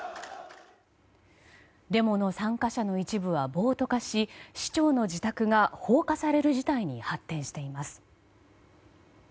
デモの参加者の一部は暴徒化し市長の自宅が放火される事態に発展しています。